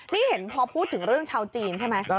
นี่เห็นพอพูดถึงเรื่องชาวจีนใช่ไหม